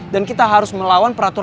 dan kita harus melawan peraturan